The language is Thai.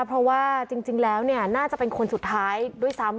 เพราะว่าจริงแล้วน่าจะเป็นคนสุดท้ายด้วยซ้ำ